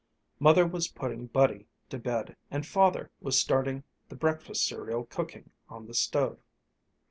Mother was putting Buddy to bed and Father was starting the breakfast cereal cooking on the stove.